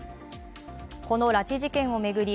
この拉致事件を巡り